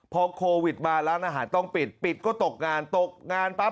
พอโควิดมาร้านอาหารต้องปิดปิดก็ตกงานตกงานปั๊บ